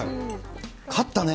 勝ったね。